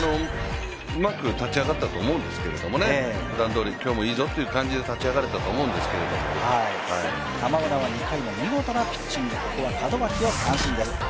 うまく立ち上がったと思うんですけれども、ふだんどおり今日もいいぞという感じで立ち上がれたと思うんですけど、玉村は２回の見事なピッチング、ここは門脇を三振です。